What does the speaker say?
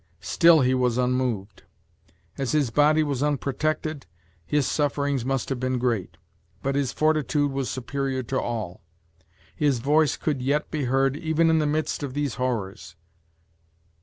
Still he was unmoved. As his body was unprotected, his sufferings must have been great; but his fortitude was superior to all. His voice could yet be heard even in the midst of these horrors.